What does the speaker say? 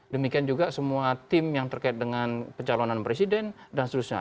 demikian juga semua tim yang terkait dengan pencalonan presiden dan seterusnya